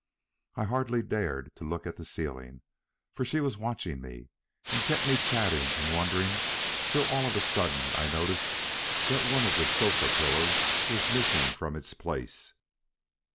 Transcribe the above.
I hardly dared to look at the ceiling, for she was watching me and kept me chatting and wondering till all of a sudden I noticed that one of the sofa pillows was missing from its place.